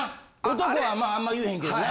男はまああんま言えへんけどな。